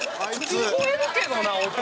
聞こえるけどな音。